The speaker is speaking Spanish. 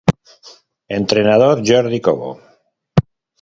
Entrenador: Jordi Cobo